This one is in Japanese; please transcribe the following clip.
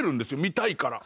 見たいから。